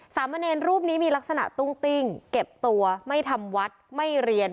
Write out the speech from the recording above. สามเณรรูปนี้มีลักษณะตุ้งติ้งเก็บตัวไม่ทำวัดไม่เรียน